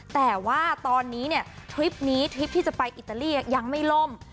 แต่ว่าตอนนี้เนี่ยทริปนี้ทริปที่จะไปอิตาลียังไม่ล่ม